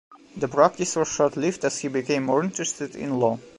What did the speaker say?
The practice was short lived as he became more interested in law.